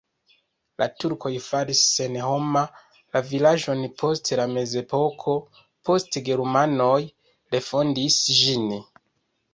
La turkoj faris senhoma la vilaĝon post la mezepoko, poste germanoj refondis ĝin.